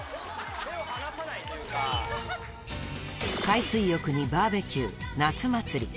海水浴にバーベキュー夏祭り